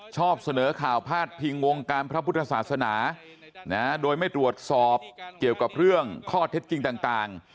ชอบเสนอข่าวพาดพิงวงการพระพุทธศาสนาโดยไม่ตรวจสอบเกี่ยวกับเรื่องข้อเท็จจริงต่าง